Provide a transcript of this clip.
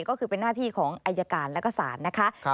ก็คือเป็นหน้าที่ของอายการแล้วก็ศาลนะคะ